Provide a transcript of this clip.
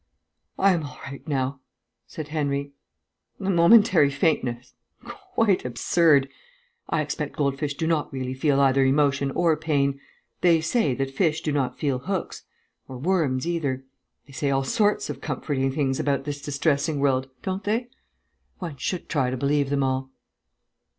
"I am all right now," said Henry. "A momentary faintness quite absurd.... I expect gold fish do not really feel either emotion or pain. They say that fish do not feel hooks. Or worms, either.... They say all sorts of comforting things about this distressing world, don't they. One should try to believe them all...."